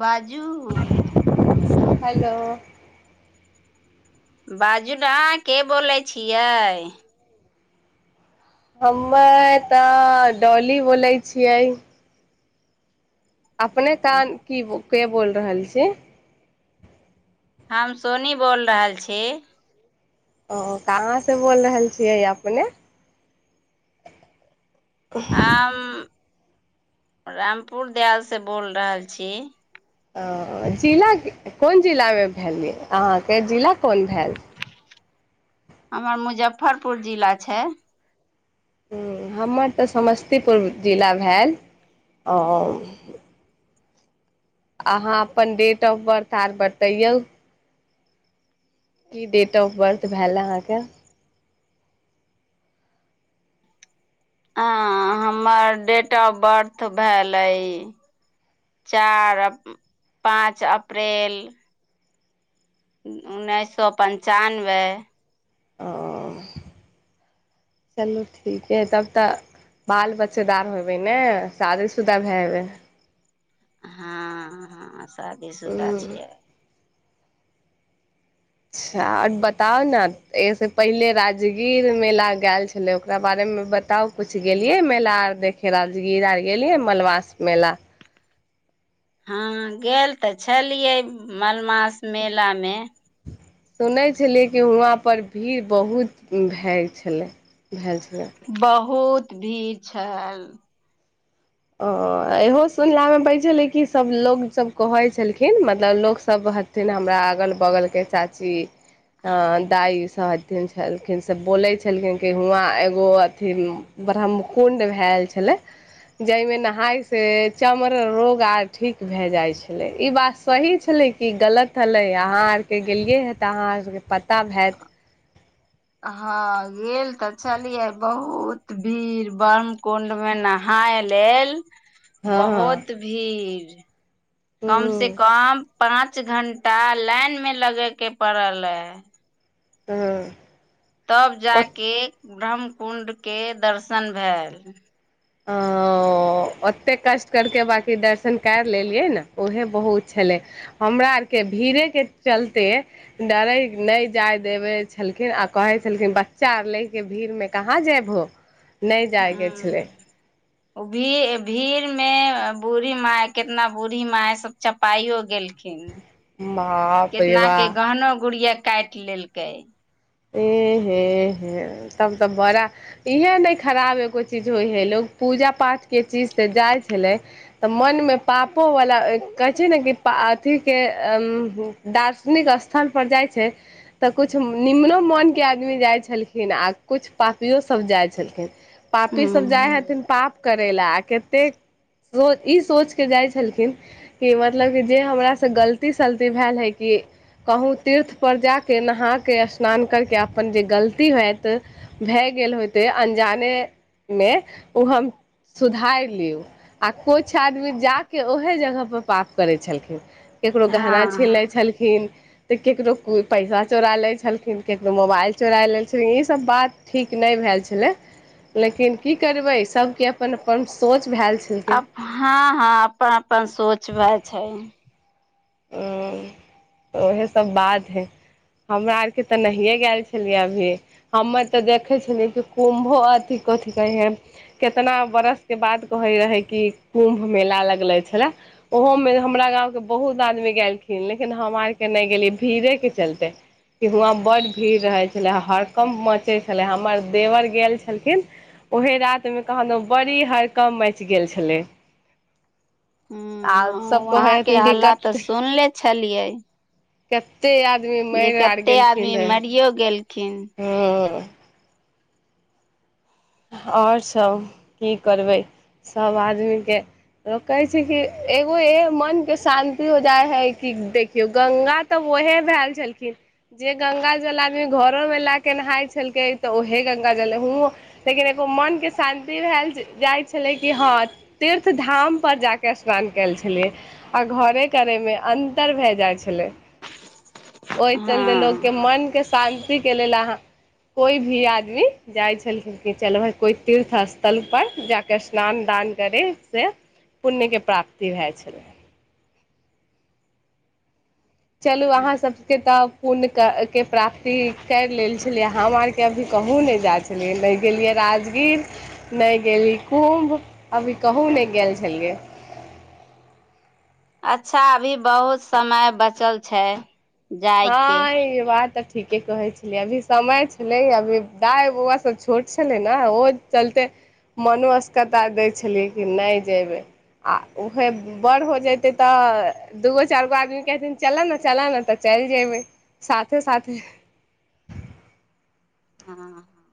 बाजूउ hello बाजू ने अहां के बोलै छियै। हमे तऽ डोली बोलै छियै। अपने कान की के बोल रहल छी। हम सोनी बोल रहल छी। ओ कहाँ से बोल रहल छियै अपने हम रामपुर दयालस बोल रहल छी वो जिला कौन जिलामे भेल अहाँके जिला कोन भेल हमर मुजफ्फरपुर जिला छै हुं हमर तऽ समस्तीपुर जिला भेल अहाँ अपन डेट ऑफ बर्थ आर बतैओ की डेट ऑफ बर्थ भेल अहाँके हँ हमर डेट ऑफ बर्थ भेलेइ चार आ पाँच अप्रैल उन्नैस सो पञ्चानबे ओ [inaudible] चलू ठीक तब तऽ बाल बच्चेदार होबै ने, शादी शुदा भै हबै हँऽ शादी सुदा हेबै छिय अच्छा और बताउ ने, एहिसँ पहिले राजगीर मेला गेल छलै ओकरा बारेमे बत ताउ कुछ गेलियै मेला और देखे लेल राजगीर आर गेलियै मलमास मेला हँ गेल तऽ छलियै मलमास मेला मे सुनै छलियै, कि हुआँपर भीड़ बहुत भए छलै भेल छलै बहुत भीड़ छल ओ इहो सुनलामे बै छलै कि सभ लोकसभ कहै छलखिन मतलब लोकसभ छथिन हमरा अगल बगलके चाची हँ दाइ सथिन छलखिन से बोलै छलखिन कि हुआँ एगो अथि ब्रह्मकुण्ड भेल छलै जाहिमे नहायसँ चमर रोग आर ठीक भए जाइ छलै ई बात सही छलै कि गलत हलै अहाँ आरके गेलिए तऽ अहाँ आरके पता होैत हँ गेल तऽ छललियै बहुत भीड़ ब्रांह्मकुण्ड मे नहाय नहाय लेल हँ हँ बहुत भीड़ कम से कम पाँंच घंटा लाइन में लगे के पड़ल है हुँ तब जाके ब्रंह्मकुण्ड के दर्शन भेल हँ ओ हँ ओते कष्ट करके बाँकि दर्शन कर लेलियै ने उहे बहुत छलै हमरा आरके भीड़ेके चलते डरै नहि जाय देबे छलखिन आ कहे छलखिन बच्चा ले के भीड़ मे कहाँ जेयबहो [unintelligible] हुँ ओ भीड़ भीड़ में बूढ़ी माय कितना बूढ़ी माय सब चपाइयो गेलखिन बाप रे केतना बा के गहनो गुड़िया काटि लेलके एह हे हे तब तऽ बड़ा इएह नहि खराब एगो चीज होइ हइ लोक पूजा पाठके चीज तऽ जाइ छलै तऽ मनमे पापो वला ए कहै छै ने कि पा अथीके [unintelligible] दार्शनिक स्थल पर जाइ छै तऽ कुछ निम्नो मोन के आदमी जाय छलखिन आ कुछ पापियो सब जाय छलखिन पापी सभ जाइ हूं हथिन पाप करै लए आ कतेक रोज ई सोच के जाइत छलखिन कि मतलब कि जे हमरासँ गलती सलती भेल हइ कि कहुँ तीर्थ पर जाके नहा के सँ स्नान करके अपन जे गलती होइत भए गेल होइते अनजाने मे ओ हम सुधारि लेयब आ कुछ आदमी जाकऽ ओहे जगह पर पाप करैत छलखिन केकरो गहना हँ छीन ले छलखिन, तऽ केकरो कोई पैसा चोरा ले छलखिन। लेकिन ककरो मोबाइल चोरा लेल छेलियै ई सब बात ठीक नहि भेऽल छलै। लेकिन की करबै सबके अपन अपन सोच भेऽल छेलखिन। अप हँ हँ अपन अपन सोच वएह छै। ए ओ तऽ उएहसब बात हइ। हमरा आरके तऽ नहिए गेल छलियैए अभी। हमे तऽ देखै छलियै कि कुम्भो अथी कथी कहै हइ केतना बरसके बाद कहै रहै कि कुम्भ मेला लगलै छलै। ओहो में हमरा गाँंव के बहुत आदमी गेलखिन लेकिन हम आर के नहि गेलियै भीड़े के चलते कि हुआँ बड्ड भीड़ रहै छलै हरकम मचै छलै हमर देवर गेल छलखिन। ओहे राति मे कहादन बड़ी हरकम मचि गेल छलै। आर हँ सब कहै वहाँके हेथिन कि हल्ला क तऽ सुनले छलियै। के [unintelligible] ते आदमी [unintelligible] जे कते आदमी मरियो गेलखिन। हुं। और सब की करबै सब आदमीके लोक कहै छै कि एगो हे मन के शान्ति हो जाय हय कि देखियौ गंगा तऽ ओहे भेल झलखिन। जे गंगा जल आदमी घरो मे लए के नहाय छलकै तऽ ओहे गंगाजल ह लेकिन एगो मोनके शान्ति भेल जाइ छलै कि हँ तीर्थ धाम पर जाके स्नान कैल छलियै। आ घरे करै मे अन्तर भए जाइ छलै। [unintelligible] ओहि चलते लोकके हँ मन के शान्तिके लेल अहाँ कोइ भी आदमी जाइ छेलखिन। चलबै कोइ तीर्थ स्थलपर जाकऽ स्नान दान करे से। पुण्यके प्राप्ति भए छलै। चलू अहाँ सब के तऽ पुण्य के प्राप्ति करि लेल छलियै हम आरके अभी कहुँ नहि जाय पहिले गेलियै राजगीर नहि गेलि कुम्भ, अभी कहूँ नहि गेल छलियै। अच्छा अभी बहुत समय बचल छै। जायके हँ ई बात तऽ ठीके कहै छलियै अभी समय छलै अभी दाइ बौआ सब छोट छलै ने ओहो चलते मनो अस्कता जै छलै कि नहि जेबै। आ उहे बड़ हो जेतै तऽ दूगो चारि गो आदमी कहथिन चलऽ ने चलऽ ने तऽ चलि जेबै साथे साथे। हँ हँ।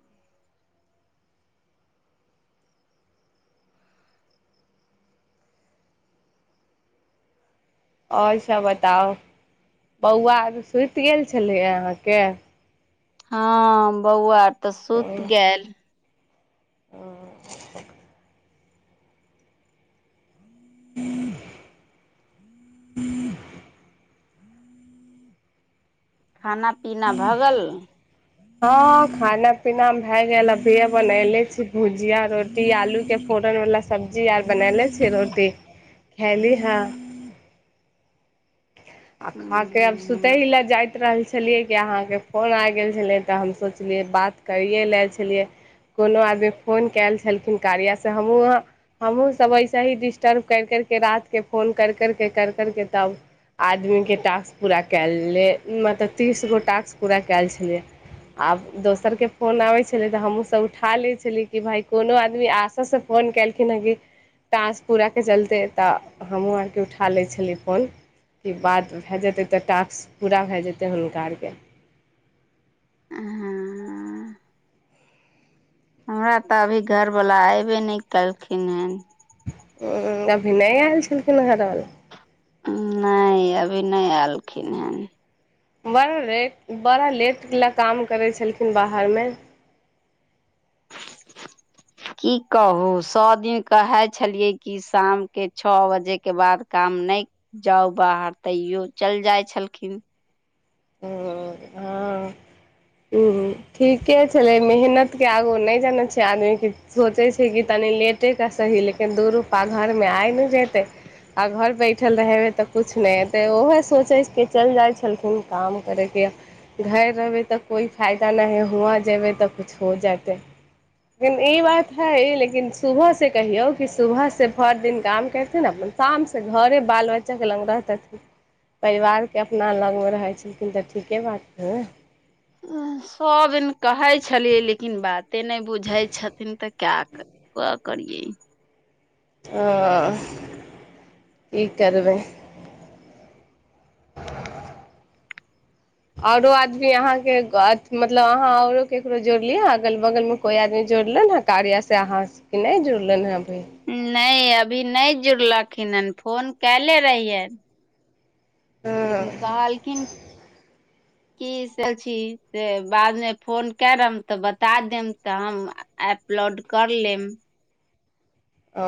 और सब बताउ, बौआ आरू सुति गेल छलैये अहाँके। हँ बौआ तऽ सुत गेल। हुं। [unintelligible] खाना पीना भऽ गेल। हँ खाना पीना भए गेल अभीए बनैले छी भुजिया रोटी आलू के फोरन वला। सब्जी आर बनैले छी रोटी खैली हं। आ खा के आब हूँ सुतही लै जाइत रहल छलियै कि अहाँके फोन आइ गेल छलै तऽ हम सोचलियै बात करिए लेल छलियै। कोनो आदमी फोन कैल छलखिन कार्यासँ हमहूँ ओ हमहूँ सब ऐसे हि डिस्टर्ब कैर करके रातिक फोन कर करके कर करके तब आदमीके टास्क पूरा केलले मतलब तीस गो टास्क पुरा कयल छलैये। आब दोसरके फोन आबै छलै तऽ हमहूँसब उठा लै छलियै कि भाय कोनो आदमी आपस मे। फोन कैलखिन हँ कि टास्क पूरा करके चलते तऽ हमहुँ आरके उठा लै छली फोन। कि बात भे जेतै तऽ टास्क पूरा भे जेतै हुनका आरके। हं। हमरा तऽ अभी घरवला ऐबे नै केलखिन हेन। अभिनै एल छलखिन घरवला? नै अभी नै एलखिन हैं। बड़ लेट बड़ा लेट लैय काम करै छलखिन बाहरमे। [inaudible] कि कहू सौ दिन कहै छैलियै कि शामके छ बजेके बाद काम नै जाउ बाहर तैयो चैल जाइ छलखिन। आ [unintelligible] हां हूहू ठीके छलै मेहनत के आगू नै जानै छियै आदमीकेँ सोचै छै कि ताले लेटेक सही लेकिन दू रुपा घरमे आइ ने जेतै। आ घर बैठल रहेबै तऽ कुछ नै एतै ओहू सोचै के चैल जाइत छलखिन काम करैत या घर रहबै तऽ कोइ फायदा ना है हुआ जेबै तऽ कुछ हो जेतै। लेकिन इ बात हैइ लेकिन सुबह से कहियौ कि सुबह से भर दिन काम करथिन अपन शाम से घरे बाल बच्चाके लाग रहतथिन। परिवारके अपना लगमे रहै छलखिन तऽ ठीके बात न रहतै। सब दिन कहै छलियै लेकिन बात एते नहि बुझै छथिन तऽ क्या करि क करियै। आ कि करबै? औरो आदमी अहाँके गा मतलब अहाँ औरो ककरो जोड़लियै अगल बगलमे कोइ आदमी जोड़ लन हैं। कार्यसँ अहाँके के ना जुड़लनि हैं अभी। नै अभी नै जुड़लखिन हेन फोन कैले रहियै। हँ लेकिन कहलथिन [unintelligible] कि से छी से बादमे फोन करम तऽ बता देम तऽ हम एपलोड कर लेम। अ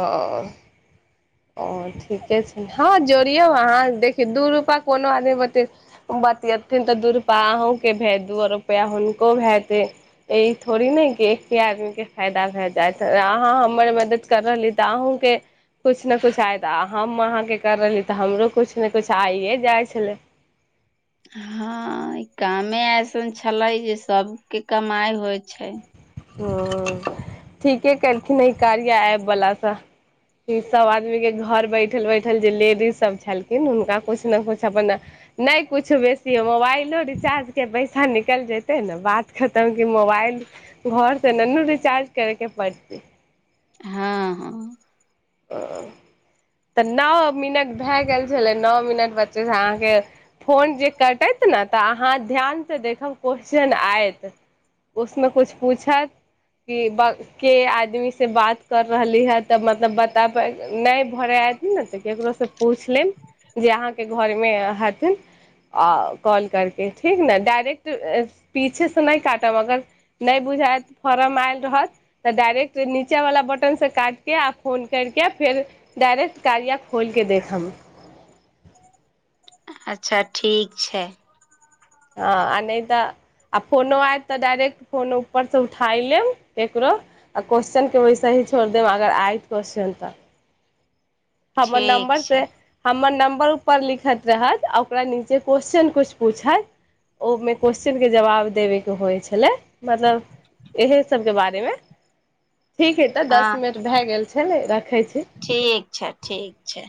आ ठीके छै हँ जोड़ियौ अहाँ देखियौ दू रुपा कोनो आदमी बते बतियेथिन तऽ दू रुपआ अहुके भेत दू रुपा हुनको हेतै। एहि थोड़ी ने कि एके आदमी के फयदा भे जायत अहाँ हमर मदद कर रहली त आहुके कुछ ने कुछ आयदा तऽ हम अहाँके करै रहली तऽ हमरो कुछ ने कुछ आइए जाइ छलै। हँ इकामे ऐसन छलै जे सबके कमाइ होइ छै। ह ठीके केलखिन इ कारिया एपबलास इ सब आदमी के घर बैठल बैठल जे लेडिज सब छलखिन हुनका कुछ ना कुछ अपन नै कुछो बेसी ह मोबाइलो रिचार्ज के पैसा निकल जेतै ने बात खतम कि मोबाइल घरसँ ने नू रिचार्ज करैके पड़तै। हां अ तऽ नौ मिनट भेए गेल छलै नौ मिनट बच्चेसँ अहाँके फोन जे कटत ने तऽ अहाँ ध्यान से देखब कोसचन आइत। उसमे कुछन कुछ पुछत। किब के आदमी से बात कर रहली है तऽ मतलब बत तब नै भरे आइत न तऽ केकरो से पुइछ लेम। जे अहाके घर मे हथिन। आ कॉल करके ठीक ने डायरेक्ट पीछेसँ नहि काटबऽ मगर नहि बुझायत फॉर्म आयल रहत तऽ डायरेक्ट नीचे वाला बटन से काट के आ फोन कैरके फेर डायरेक्ट कार्या खोलके देखब। अच्छा ठीक छै। हँ आ नहि त आ फोनो आयत त डायरेक्ट फोन ऊपरसँ उठाय लेब केकरो। आर क्वेश्चनके वैसेहीं छोड़ देब अगर आइत क्वेेश्चन त। हमर ठीक नम्बर से छै हमर नम्बर ऊपर लिखत रहत आ ओकरा नीचे क्वेश्चन कुछ पूछत ओमे क्वैश्चन के जवाब देबे के होइ छलै मतलब इहे सबके बारेमे। ठीक अइ त हँ दस मिनट भए गेल छय राखैय छी। ठीक छैय, ठीक छैय।